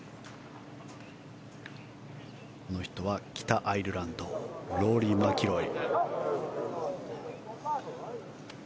この人は、北アイルランドローリー・マキロイ。